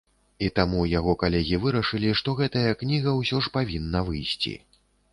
І таму яго калегі вырашылі, што гэтая кніга ўсё ж павінна выйсці.